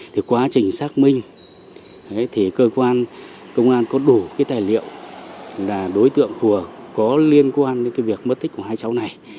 thì quá trình xác minh thì cơ quan công an có đủ cái tài liệu là đối tượng phùa có liên quan đến cái việc mất tích của hai cháu này